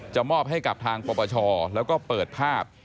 มอบให้กับทางปปชแล้วก็เปิดภาพ